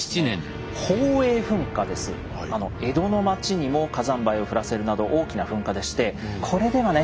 これですね江戸の町にも火山灰を降らせるなど大きな噴火でしてこれではね